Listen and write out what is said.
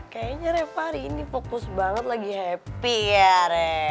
kayaknya reva hari ini fokus banget lagi happy ya re